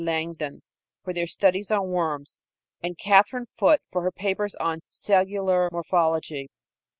Langdon for their studies on worms, and Katherine Foot for her papers on cellular morphology.